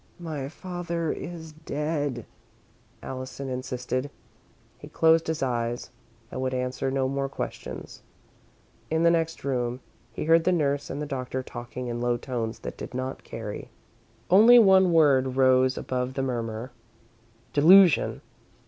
"My father is dead," Allison insisted. He closed his eyes and would answer no more questions. In the next room, he heard the nurse and the doctor talking in low tones that did not carry. Only one word rose above the murmur: "delusion."